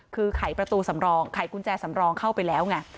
คือไขประตูสำรองไขกุญแจสำรองเข้าไปแล้วไง